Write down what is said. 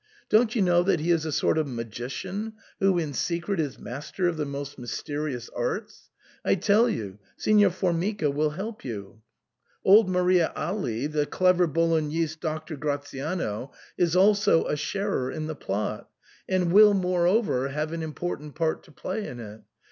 Don't you know that he is a sort of magician who in secret is master of the most mysterious arts ? I tell you, Signor Formica will help you. Old Maria Agli, the clever Bolognese Doctor Gratiano, is also a sharer in the plot, and will, moreover, have an im portant part to play in it.